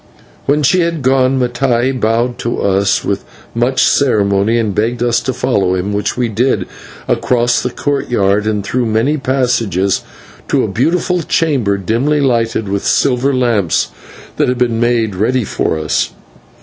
When she had gone, Mattai bowed to us with much ceremony, and begged us to follow him, which we did, across the courtyard and through many passages, to a beautiful chamber, dimly lighted with silver lamps, that had been made ready for us.